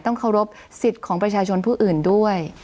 เคารพสิทธิ์ของประชาชนผู้อื่นด้วย